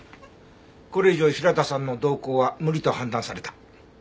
これ以上平田さんの同行は無理と判断された。